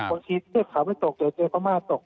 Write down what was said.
บางทีถ้าชาวไม่ตกเดียวอย่าทำอะไรตก